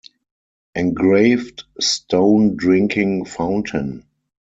Engraved stone drinking fountain.